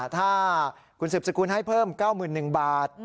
ถ้าคุณสืบสกุลให้เพิ่ม๙๑๐๐บาท